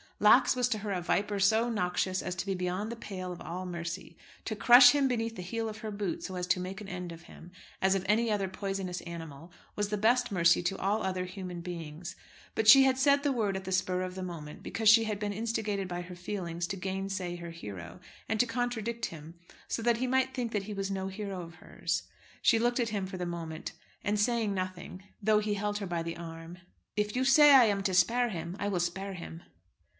Lax was to her a viper so noxious as to be beyond the pale of all mercy. To crush him beneath the heel of her boot, so as to make an end of him, as of any other poisonous animal, was the best mercy to all other human beings. But she had said the word at the spur of the moment, because she had been instigated by her feelings to gainsay her hero, and to contradict him, so that he might think that he was no hero of hers. She looked at him for the moment, and said nothing, though he held her by the arm. "If you say I am to spare him, I will spare him."